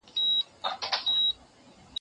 تا چي ول بالا به باران ودرېږي باره تېز سو